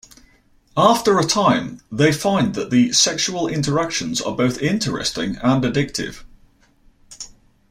After a time, they find that the sexual interactions are both interesting and addictive.